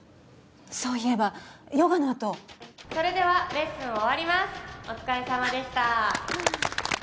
そういえばヨガのあとそれではレッスン終わりますお疲れさまでした